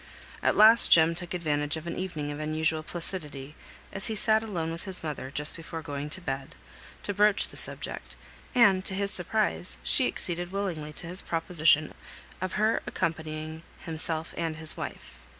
At last Jem took advantage of an evening of unusual placidity, as he sat alone with his mother just before going to bed, to broach the subject; and to his surprise she acceded willingly to his proposition of her accompanying himself and his wife.